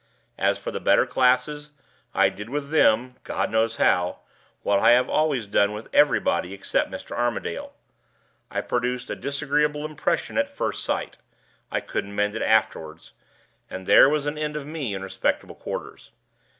As for the better classes, I did with them (God knows how!) what I have always done with everybody except Mr. Armadale I produced a disagreeable impression at first sight; I couldn't mend it afterward; and there was an end of me in respectable quarters.